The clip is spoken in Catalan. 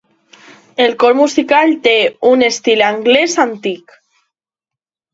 El cor musical té un estil anglès antic.